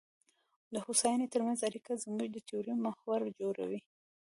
د هوساینې ترمنځ اړیکه زموږ د تیورۍ محور جوړوي.